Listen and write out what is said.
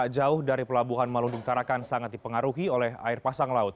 jauh dari pelabuhan malundung tarakan sangat dipengaruhi oleh air pasang laut